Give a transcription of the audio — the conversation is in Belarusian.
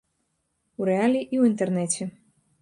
У рэале і ў інтэрнэце.